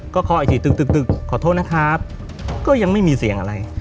ก็ขอไอ้ฉีดตึกตึกตึกขอโทษนะครับก็ยังไม่มีเสียงอะไร